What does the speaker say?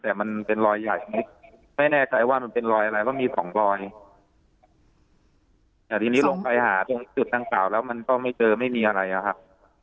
แต่มันเป็นรอยใหญ่นิดไม่แน่ใจว่ามันเป็นรอยอะไรเพราะมีสองรอยแต่ทีนี้ลงไปหาตรงจุดดังกล่าวแล้วมันก็ไม่เจอไม่มีอะไรอะครับ